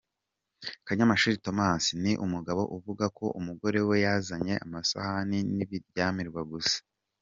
Kanyamashuri Thomas, ni umugabo uvuga ko umugore we yazanye amasahani n’ibiryamirwa gusa.